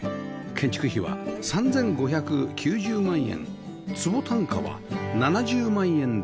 建築費は３５９０万円坪単価は７０万円でした